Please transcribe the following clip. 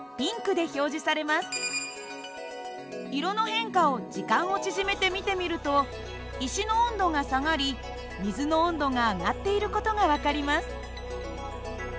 色の変化を時間を縮めて見てみると石の温度が下がり水の温度が上がっている事が分かります。